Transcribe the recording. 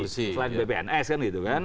selain bpns kan gitu kan